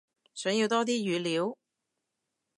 想要多啲語料？